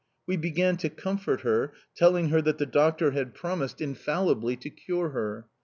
"We began to comfort her, telling her that the doctor had promised infallibly to cure her.